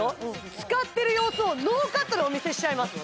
使ってる様子をノーカットでお見せしちゃいます